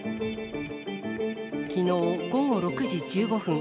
きのう午後６時１５分。